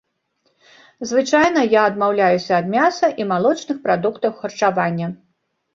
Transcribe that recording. Звычайна я адмаўляюся ад мяса і малочных прадуктаў харчавання.